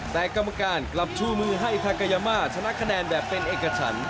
แต่กรรมการกลับชูมือให้ทากายามาชนะคะแนนแบบเป็นเอกฉัน